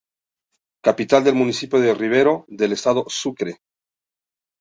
Capital del Municipio Ribero del Estado Sucre.